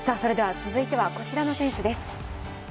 続いては、こちらの選手です。